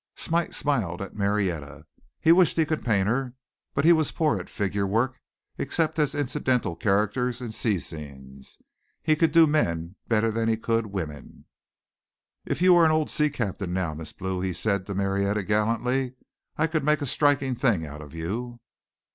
Smite smiled at Marietta. He wished he could paint her, but he was poor at figure work except as incidental characters in sea scenes. He could do men better than he could women. "If you were an old sea captain now, Miss Blue," he said to Marietta gallantly, "I could make a striking thing out of you."